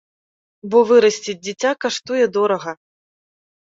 Бо вырасціць дзіця каштуе дорага.